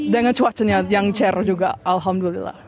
dengan cuacanya yang care juga alhamdulillah